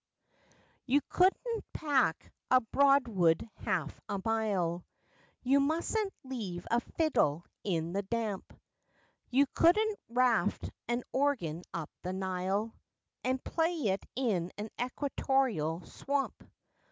You couldn't pack a Broadwood half a mile You mustn't leave a fiddle in the damp You couldn't raft an organ up the Nile, And play it in an Equatorial swamp.